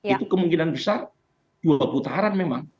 itu kemungkinan besar dua putaran memang